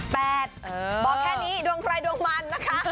บอกแค่นี้ดวงใครดวงมันนะคะ